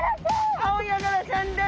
アオヤガラちゃんです。